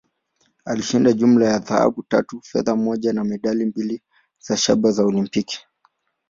Alishinda jumla ya dhahabu tatu, fedha moja, na medali mbili za shaba za Olimpiki.